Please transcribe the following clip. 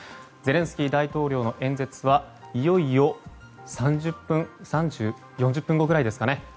ゼレンスキー大統領の演説はいよいよ４０分後ぐらいですかね